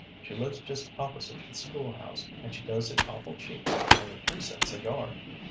"She lives just opposite the school house, and she does it awful cheap, only three cents a yard."